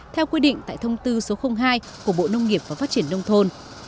theo quy định tại thông tư số hai của bộ nông nghiệp và phát triển nông thôn